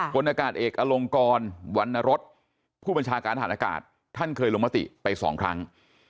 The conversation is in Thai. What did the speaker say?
คนอากาศเอกอลงกรวรรณรสผู้บัญชาการฐานอากาศท่านเคยลงมติไปสองครั้ง